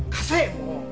もう。